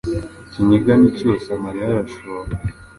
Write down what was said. Ikiniga ni cyose amarira arashoka